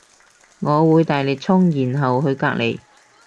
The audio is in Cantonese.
我會大力衝然後去隔籬